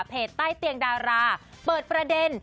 ใต้เตียงดาราเปิดประเด็น